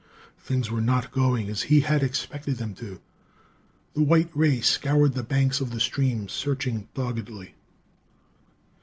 Things were not going as he had expected them to. The white ray scoured the banks of the stream, searching doggedly.